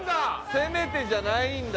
「せめて」じゃないんだ。